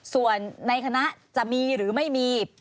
ส่วนในคณะจะมีหรือไม่มี